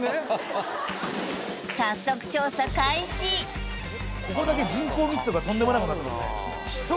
早速ここだけ人口密度がとんでもないことになってますね